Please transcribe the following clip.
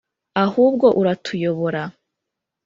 ahubwo uratuyobora